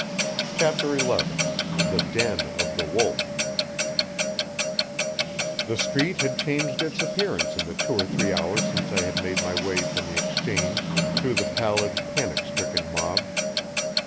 CHAPTER XI THE DEN OF THE WOLF The street had changed its appearance in the two or three hours since I had made my way from the Exchange through the pallid, panic stricken mob.